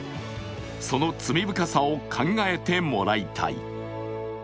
その罪深さを考えてもらいたい。